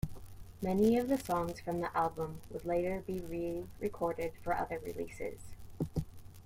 Many of the songs from the album would later be re-recorded for other releases.